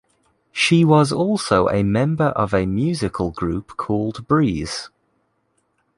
She was also a member of a musical group called Breeze.